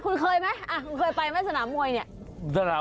ขอบคุณครับ